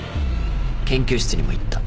研究室にも行った。